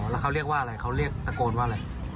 แล้วเขาเรียกว่าอะไรเขาเรียกตะโกนว่าอะไร